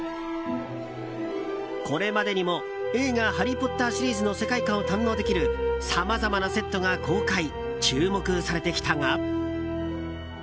これまでにも映画「ハリー・ポッター」シリーズの世界観を堪能できるさまざまなセットが公開注目されてきたが。